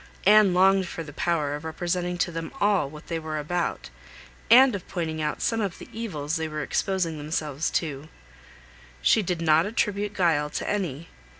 Anne longed for the power of representing to them all what they were about, and of pointing out some of the evils they were exposing themselves to. She did not attribute guile to any.